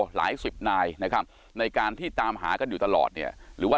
หลายสิบนายนะครับในการที่ตามหากันอยู่ตลอดเนี่ยหรือว่า